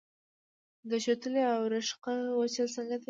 د شوتلې او رشقه وچول څنګه دي؟